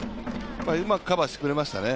うまくカバーしてくれましたね。